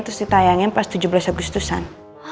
terus ditayangin pas tujuh belas agustusan